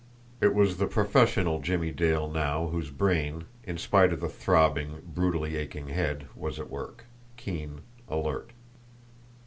It was the professional Jimmie Dale now whose brain, in spite of the throbbing, brutally aching head, was at work, keen, alert.